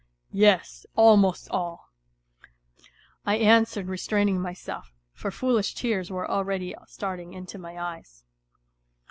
" yes, almost all," I answered restraining myself, for foolish tears were already starting into my eyes.